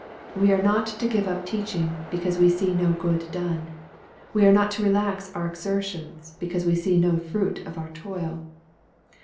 We are not to give up teaching, because we see no good done. We are not to relax our exertions, because we see no fruit of our toil.